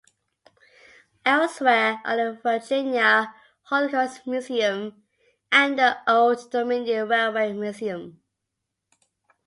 Elsewhere are the Virginia Holocaust Museum and the Old Dominion Railway Museum.